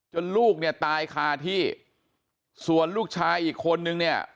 ลูกเนี่ยตายคาที่ส่วนลูกชายอีกคนนึงเนี่ย